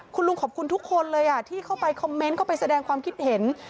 คุณลุงขอบคุณทุกคนเลยที่เข้าไปคอมเมนต์เข้าไปแสดงความคิดเห็น